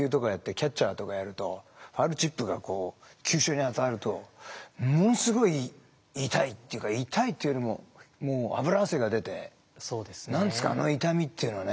キャッチャーとかやるとファウルチップが急所に当たるとものすごい痛いっていうか痛いというよりももう脂汗が出て何つうかあの痛みっていうのはね。